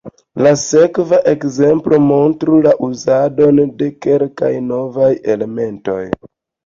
La sekva ekzemplo montru la uzadon de kelkaj novaj elementoj.